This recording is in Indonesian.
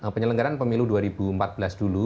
penyelenggaran pemilu dua ribu empat belas dulu